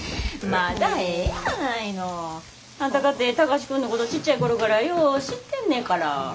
あんたかて貴司君のことちっちゃい頃からよう知ってんねから。